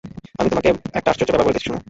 আমি তোমাকে একটি আশ্চর্য ব্যাপার বলিতেছি, শুন।